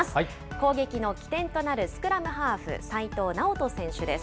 攻撃の起点となるスクラムハーフ、齋藤直人選手です。